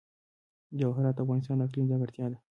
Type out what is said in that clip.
جواهرات د افغانستان د اقلیم ځانګړتیا ده.